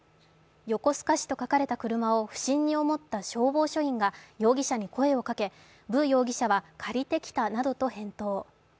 「横須賀市」と書かれた車を不審に思った消防署員が容疑者に声をかけ、ブー容疑者は借りてきたなどと返答。